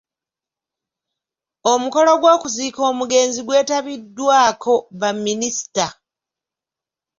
Omukolo gw’okuziika omugenzi gwetabiddwako baminista.